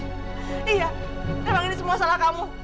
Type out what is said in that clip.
iya emang ini semua salah kamu